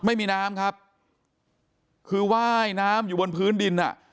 ไม่มีน้ำครับคือว่ายน้ำอยู่บนพื้นดินอ่ะ